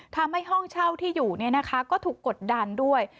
ทำให้ห้องเช่าที่อยู่ก็ถูกกดดันด้วย